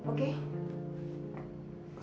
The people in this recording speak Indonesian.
sampai pikiranku berubah